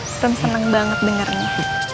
sem seneng banget dengernya